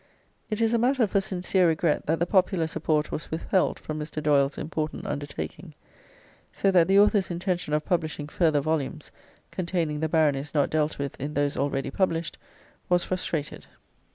It is a matter for sincere regret that the popular support was withheld from Mr. Doyle's important undertaking, so that the author's intention of publishing further volumes, containing the Baronies not dealt with in those already published, was frustrated.